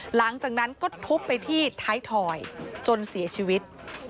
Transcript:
หลังจากนั้นก็ทุบไปที่ท้ายถอยจนเสียชีวิต